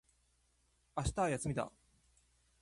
明日は休みだ。